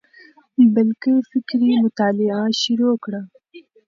بلکي فکري مطالعه شروع کړه،